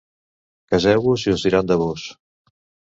Caseu-vos i us diran de vós.